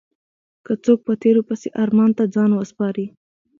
که څوک په تېرو پسې ارمان ته ځان وسپاري.